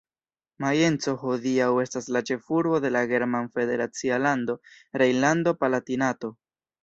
Majenco hodiaŭ estas la ĉefurbo de la german federacia lando Rejnlando-Palatinato.